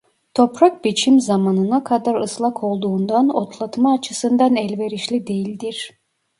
Toprak biçim zamanına kadar ıslak olduğundan otlatma açısından elverişli değildir.